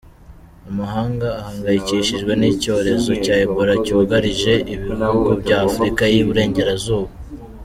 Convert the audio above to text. Amahanga ahangayikishijwe n’icyorezo cya Ebola cyugarije ibihugu bya Afurika y’i Burengerazuba.